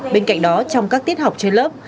bên cạnh đó trong các tiết học trên lớp